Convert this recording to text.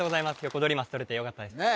ヨコドリマスとれてよかったですね